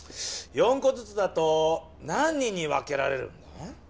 ４こずつだと何人に分けられるんだ？